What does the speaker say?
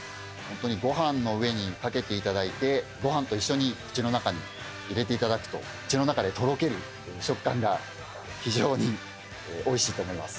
ご飯の上に掛けていただいてご飯と一緒に口の中に入れていただくと口の中でとろける食感が非常においしいと思います。